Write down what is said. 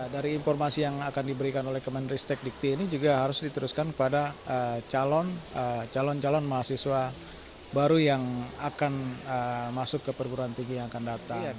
dari informasi yang akan diberikan oleh kemenristek dikti ini juga harus diteruskan kepada calon calon mahasiswa baru yang akan masuk ke perguruan tinggi yang akan datang